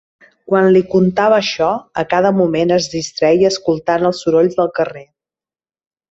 Quan li contava això, a cada moment es distreia escoltant els sorolls del carrer.